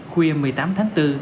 khuya một mươi tám tháng bốn